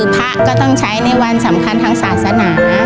พระก็ต้องใช้ในวันสำคัญทางศาสนา